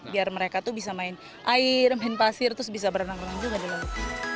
biar mereka tuh bisa main air main pasir terus bisa berenang renang juga di luar